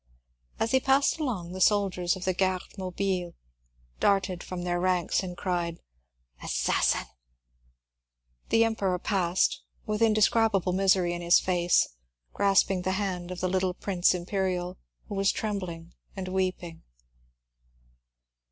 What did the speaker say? As he passed along, the soldiers of the Garde Mobile darted from their ranks and cried, ^^ Assassin !" The Emperor passed, with indescribable misery in his face, grasping the hand of the little Prince Imperial, who was trembling and weeping.